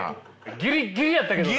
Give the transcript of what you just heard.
ギリッギリやったけどな。